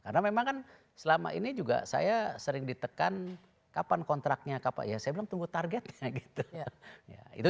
karena memang kan selama ini juga saya sering ditekan kapan kontraknya kapan kontraknya saya bilang tunggu targetnya gitu